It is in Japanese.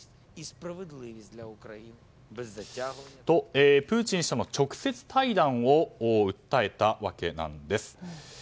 と、プーチン氏との直接対談を訴えたわけなんです。